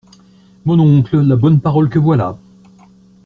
Mon oncle, la bonne parole que voilà!